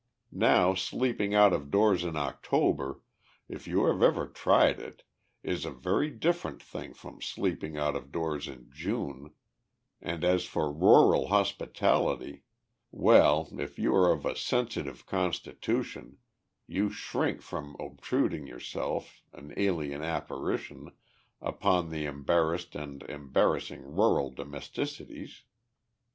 Now, sleeping out of doors in October, if you have ever tried it, is a very different thing from sleeping out of doors in June, and as for rural hospitality well, if you are of a sensitive constitution you shrink from obtruding yourself, an alien apparition, upon the embarrassed and embarrassing rural domesticities.